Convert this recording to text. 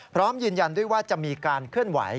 พร้อมยืนยันด้วยว่าจะมีการเคลื่อนไหว